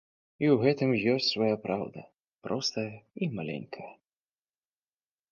І ў гэтым ёсць свая праўда, простая і маленькая.